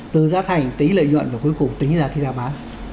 từ giá thành tính lợi nhuận và cuối cùng tính giá khi ra bán